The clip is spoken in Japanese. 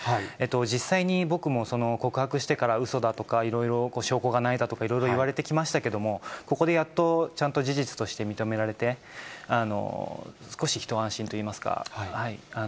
実際に僕も告白してからうそだとか、いろいろ証拠がないだとか、いろいろ言われてきましたけれども、ここでやっと、ちゃんと事実として認められて、少し一安心といいますか。